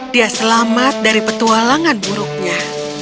dia selamat dari petualangan buruknya